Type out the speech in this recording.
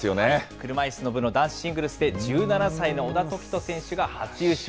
車いすの部の男子シングルスで１７歳の小田凱人選手が初優勝。